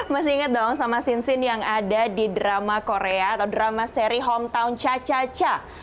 masih inget dong sama sin sin yang ada di drama korea atau drama seri hometown cha cha cha